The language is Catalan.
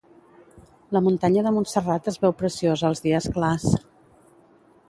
La muntanya de Monsterrat es veu preciosa els dies clars.